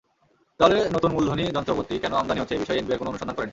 তাহলে নতুন মূলধনি যন্ত্রপাতি কেন আমদানি হচ্ছে—এ বিষয়ে এনবিআর কোনো অনুসন্ধান করেনি।